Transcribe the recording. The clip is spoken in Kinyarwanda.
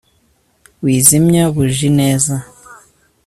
wazimya buji neza